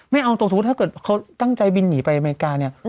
ไม่เอาตรงสมมุติถ้าเกิดเขาตั้งใจบินหนีไปอเมริกาเนี่ย